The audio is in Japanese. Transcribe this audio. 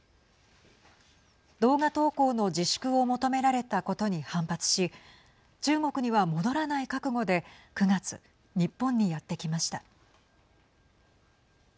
動画投稿の自粛を求められたことに反発し中国には戻らない覚悟で９月、日本にやって来ました。